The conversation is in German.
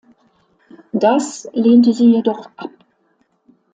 Das lehnte sie jedoch ab.